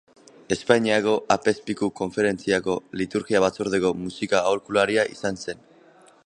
Espainiako Apezpiku Konferentziako Liturgia Batzordeko musika-aholkularia izan zen.